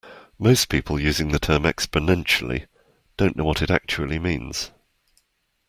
Most people using the term "exponentially" don't know what it actually means.